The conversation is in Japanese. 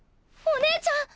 お姉ちゃん！